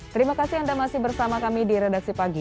terima kasih anda masih bersama kami di redaksi pagi